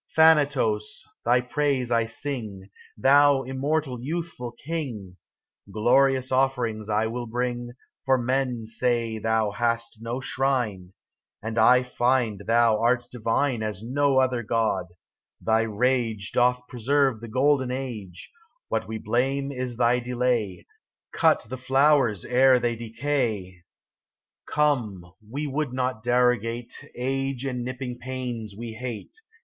40 THANATOS, thy praise I sing, Thou immortal, youthful king 1 Glorious offerings I will bring ; For men say thou hast no shrine, And I find thou art divine As no other god : thy rage Doth preserve the Golden Age, What we blame is thy delay ; Cut the flowers ere they decay 1 Come, we would not derogate, Age and nipping pains we hate.